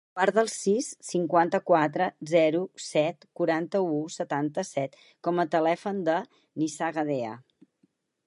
Guarda el sis, cinquanta-quatre, zero, set, quaranta-u, setanta-set com a telèfon del Nizar Gadea.